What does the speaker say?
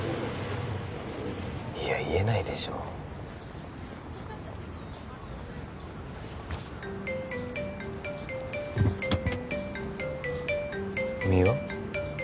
いや言えないでしょ三輪？